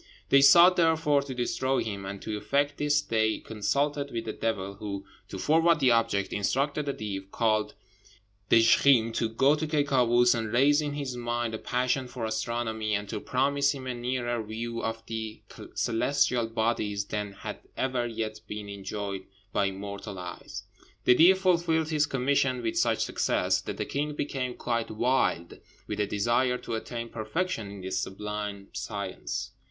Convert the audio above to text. They sought, therefore, to destroy him; and to effect this they consulted with the devil, who, to forward the object, instructed a Deev, called Dizjkheem, to go to Ky Kâoos and raise in his mind a passion for astronomy, and to promise him a nearer view of the celestial bodies than had ever yet been enjoyed by mortal eyes. The Deev fulfilled his commission with such success that the king became quite wild with a desire to attain perfection in this sublime science.